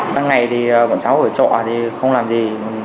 đằng ngày thì bọn cháu ở chỗ thì không làm gì